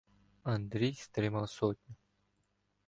Андрій стримав сотню.